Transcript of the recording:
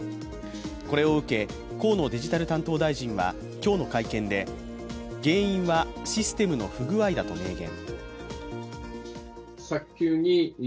これを受け、河野デジタル担当大臣は今日の会見で原因はシステムの不具合だと名言。